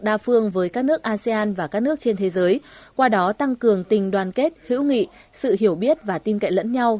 đa phương với các nước asean và các nước trên thế giới qua đó tăng cường tình đoàn kết hữu nghị sự hiểu biết và tin cậy lẫn nhau